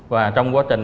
và trong quá trình